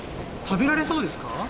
食べられそうですか？